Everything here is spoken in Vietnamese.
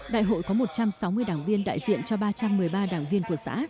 đại hội có một trăm sáu mươi đảng viên đại diện cho ba trăm một mươi ba đảng viên của xã